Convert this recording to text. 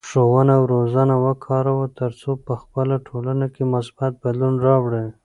ښوونه او روزنه وکاروه ترڅو په خپله ټولنه کې مثبت بدلون راوړې.